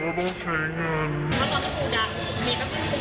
เพราะตอนนั้นปูดังมีกระพรุ่งปุ้งเป็นที่ปุ้งด้วย